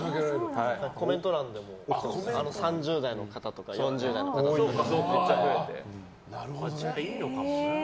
コメント欄でも３０代の方とか４０代の方とかじゃあ、いいのかもな。